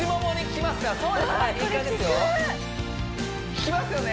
ききますよね